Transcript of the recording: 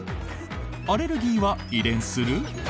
アレルギーは遺伝する？